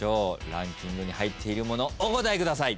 ランキングに入っているものお答えください。